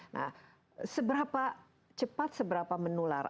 nah seberapa cepat seberapa menular